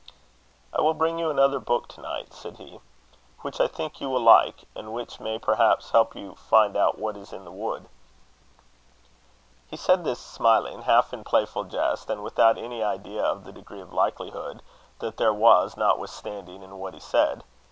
"I will bring you another book to night," said he "which I think you will like, and which may perhaps help you to find out what is in the wood." He said this smiling, half in playful jest, and without any idea of the degree of likelihood that there was notwithstanding in what he said.